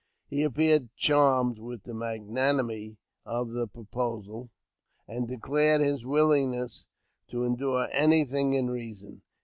He appeared charmed with the magnanimity of the proposal, and declared his willingness to endure anything in reason.